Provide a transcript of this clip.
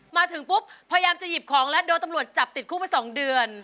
มาถึงปุ๊บพยายามจะหยิบของแล้วโดนตำรวจจับติดคุกมา๒เดือน